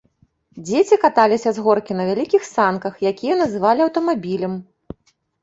Дзеці каталіся з горкі на вялікіх санках, якія называлі аўтамабілем.